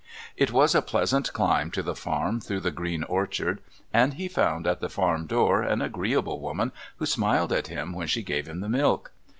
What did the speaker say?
It was a pleasant climb to the farm through the green orchard, and he found at the farm door an agreeable woman who smiled at him when she gave him the milk.